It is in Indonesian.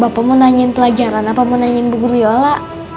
bapak mau nanyain pelajaran apa mau nanyain buku liola